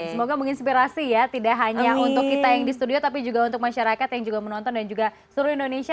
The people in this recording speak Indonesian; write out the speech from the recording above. semoga menginspirasi ya tidak hanya untuk kita yang di studio tapi juga untuk masyarakat yang juga menonton dan juga seluruh indonesia